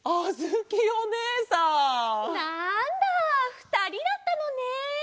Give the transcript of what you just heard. なんだふたりだったのね。